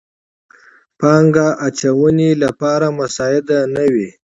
پانګه اچونې لپاره مساعد نه وي.